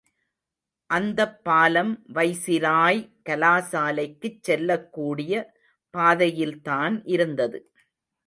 அந்தப்பாலம் viceroy கலாசாலைக்குச் செல்லக்கூடிய பாதையில்தான் இருந்தது.